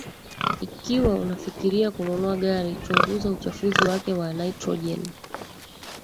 ikiwa unafikiria kununua gari chunguza uchafuzi wake wa nitrojeni